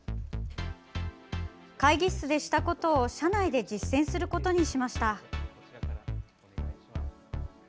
会議室でしたことを社内で実践することにしました。